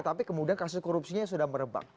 tapi kemudian kasus korupsinya sudah merebak